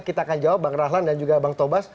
kita akan jawab bang rahlan dan juga bang tobas